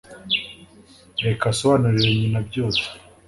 Reka asobanurire nyina byose.